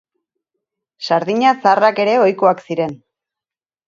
Sardina zaharrak ere ohikoak ziren.